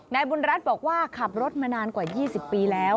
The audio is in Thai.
นายบุญรัฐบอกว่าขับรถมานานกว่า๒๐ปีแล้ว